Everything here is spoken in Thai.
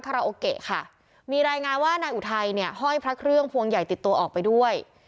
ราโอเกะค่ะมีรายงานว่านายอุทัยเนี่ยห้อยพระเครื่องพวงใหญ่ติดตัวออกไปด้วย